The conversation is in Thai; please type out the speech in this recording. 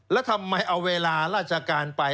แล้วทำไมเอาเวลาราชการไป